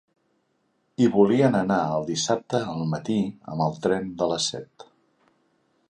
Hi volien anar el dissabte al matí amb el tren de les set.